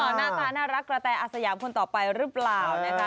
อ๋อหน้าตาน่ารักกว่าแต่อาสยามคนต่อไปรึเปล่านะคะ